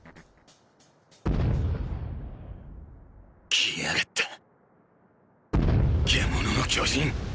来やがった「獣の巨人」！！